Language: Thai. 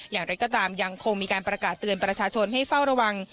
อย่างไรก็ตามยังคงมีการประกาศเตือนประชาชนให้เฝ้าระวัง